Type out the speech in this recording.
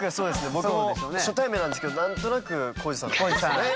僕も初対面なんですけど何となく皓史さんっぽいですよね。